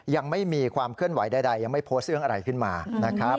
ยังไม่มีความเคลื่อนไหวใดยังไม่โพสต์เรื่องอะไรขึ้นมานะครับ